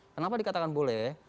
kenapa dikatakan boleh